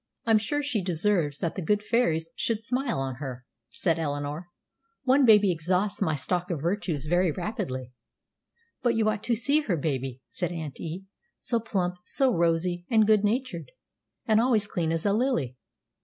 "I'm sure she deserves that the good fairies should smile on her," said Eleanor; "one baby exhausts my stock of virtues very rapidly." "But you ought to see her baby," said Aunt E.; "so plump, so rosy, and good natured, and always clean as a lily.